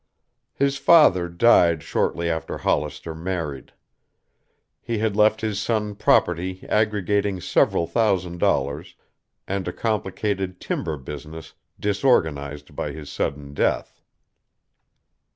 His father died shortly after Hollister married. He had left his son property aggregating several thousand dollars and a complicated timber business disorganized by his sudden death.